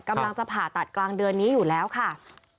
กำลังจะผ่าตัดกลางเดือนนี้อยู่แล้วค่ะ